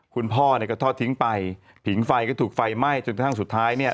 คุณพ่อเนี่ยก็ทอดทิ้งไปผิงไฟก็ถูกไฟไหม้จนกระทั่งสุดท้ายเนี่ย